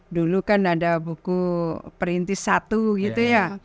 dulu kan ada buku perintis satu gitu ya